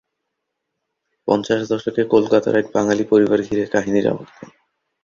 পঞ্চাশ দশকে কলকাতার এক বাঙালি পরিবার ঘিরে কাহিনীর আবর্তন।